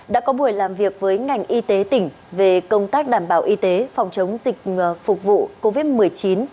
đã có buổi làm việc với ngành y tế tỉnh về công tác đảm bảo y tế phòng chống dịch phục vụ covid một mươi chín